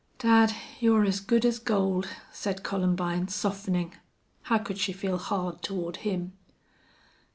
"Dad, you're as good as gold," said Columbine, softening. How could she feel hard toward him?